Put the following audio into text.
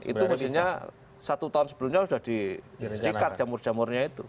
itu mestinya satu tahun sebelumnya sudah disikat jamur jamurnya itu